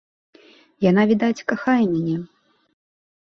Яна, відаць, кахае мяне.